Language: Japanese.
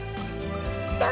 どう？